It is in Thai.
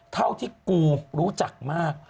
เท่าที่กูรู้จักมาก